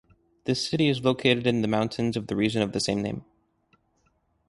This city is located in the mountains of the region of the same name.